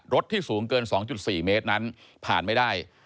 ที่สูงเกิน๒๔เมตรนั้นผ่านไม่ได้